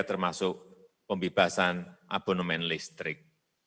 termasuk pembebasan abonemen listrik